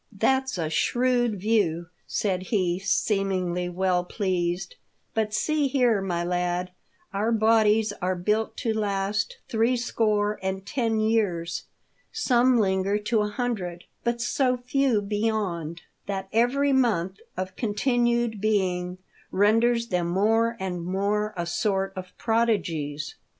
That's a shrewd view," said he, seemingly well pleased. " But see here, my lad ! our bodies are built to last three score and ten years. Some linger to a hundred ; but so few beyond, that every month of continued beinof renders them more and more a sort of prodigies.